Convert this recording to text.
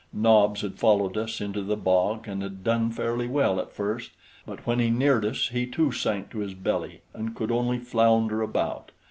Nobs had followed us into the bog and had done fairly well at first, but when he neared us he too sank to his belly and could only flounder about.